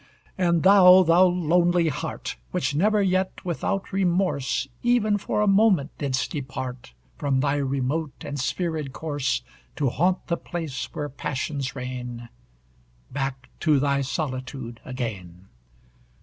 and thou, thou lonely heart, Which never yet without remorse Even for a moment didst depart From thy remote and spherèd course To haunt the place where passions reign Back to thy solitude again!